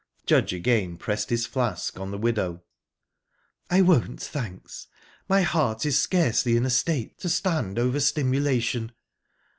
Judge again pressed his flask on the widow. "I won't, thanks. My heart is scarcely in a state to stand over stimulation.